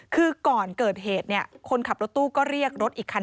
คือก่อนเกิดเหตุคนขับรถตู้ก็เรียกรถอีกคัน